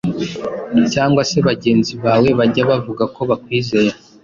cyangwa se bagenzi bawe bajya bavuga ko bakwizera